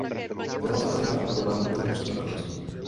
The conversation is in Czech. Věnoval se zejména problému pružnosti a pevnosti.